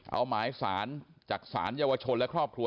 เอาหมายสารจากสารชนและครอบครัว